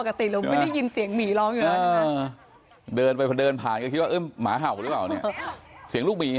นี่นี่นี่ควบคุกเลยไปไม่ถึงแม่งข้ามลุ้นเร็วเร็วข้ามเลยดูดู